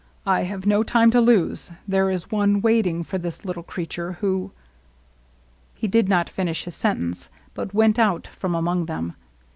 I have no time to lose. There is one waiting for this little creature who "— He did not finish his sentence, but went out from among them.